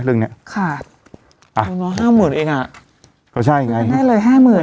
เรื่องเนี้ยค่ะอ่าเนอะห้าหมื่นเองอ่ะก็ใช่ไงใช่เลยห้าหมื่น